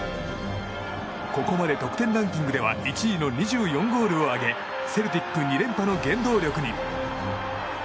ここまで得点ランキングでは１位の２４ゴールを挙げセルティック２連覇の原動力に。